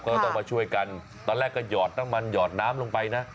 ก็ต้องมาช่วยกันตอนแรกก็หยอดน้ำมันหยอดน้ำลงไปนะ